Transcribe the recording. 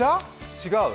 違う？